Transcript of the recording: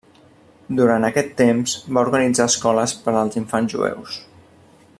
Durant aquest temps va organitzar escoles per als infants jueus.